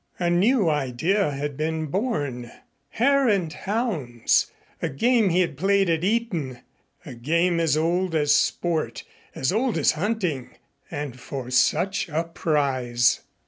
A new idea had been born. Hare and hounds! A game he had played at Eton a game as old as sport, as old as hunting! And for such a prize!